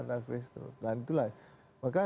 natal kristus dan itulah maka